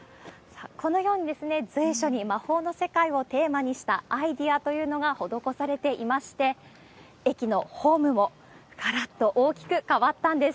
このように、随所に魔法の世界をテーマにしたアイデアというのが施されていまして、駅のホームもがらっと大きく変わったんです。